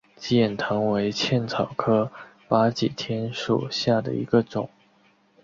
鸡眼藤为茜草科巴戟天属下的一个种。